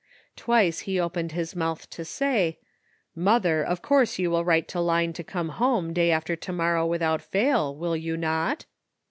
Twice he opened his mouth to say, *' Mother, of course you will write to Line to come home day after to morrow without fail, will you not?"